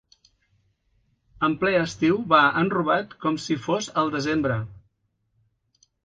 En ple estiu va enrobat com si fos el desembre.